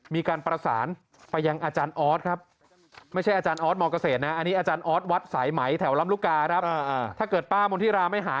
มีการประสานไปยังอาจารย์ออสครับ